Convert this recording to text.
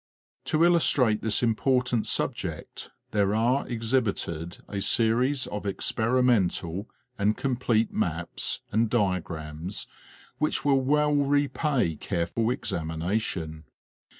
To illustrate this important subject there are exhibited a series of experimental and complete maps and diagrams which will well repay careful examination.